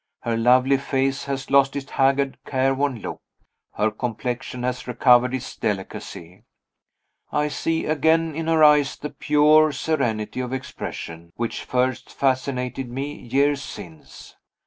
Her lovely face has lost its haggard, careworn look; her complexion has recovered its delicacy; I see again in her eyes the pure serenity of expression which first fascinated me, years since.